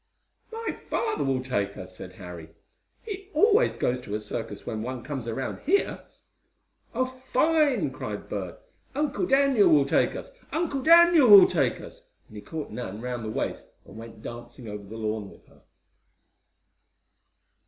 "My father will take us," said Harry. "He always goes to a circus when one comes around here." "Oh, fine!" cried Bert. "Uncle Daniel will take us! Uncle Daniel will take us!" and he caught Nan around the waist and went dancing over the lawn with her.